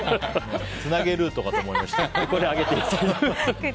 「つなげルート」かと思いました。